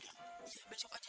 iya besok aja